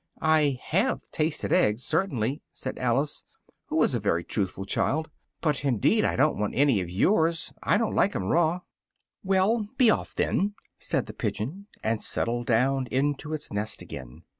"I have tasted eggs, certainly," said Alice, who was a very truthful child, "but indeed I do'n't want any of yours. I do'n't like them raw." "Well, be off, then!" said the pigeon, and settled down into its nest again.